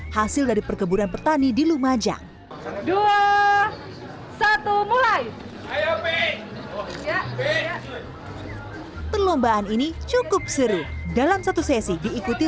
hasil dari perkeburan pertani di lumajang perlombaan ini cukup seru dalam satu sesi diikuti